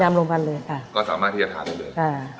ยำลงกันเลยค่ะก็สามารถที่จะทานได้เลย